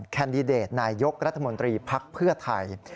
แคนดิเดตนายกรัฐมนตรีภักดิ์เพื่อไทย